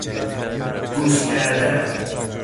گوش کردن